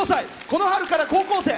この春から高校生。